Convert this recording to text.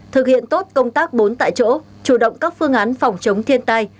thực hiện tốt công tác bốn tại chỗ chủ động các phương án phòng chống thiên tai